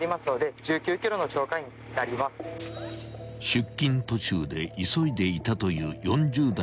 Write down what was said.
［出勤途中で急いでいたという］